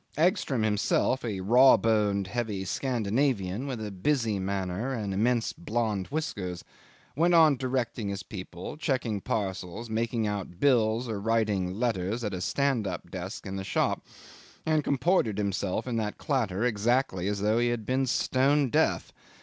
Egstrom himself, a raw boned, heavy Scandinavian, with a busy manner and immense blonde whiskers, went on directing his people, checking parcels, making out bills or writing letters at a stand up desk in the shop, and comported himself in that clatter exactly as though he had been stone deaf.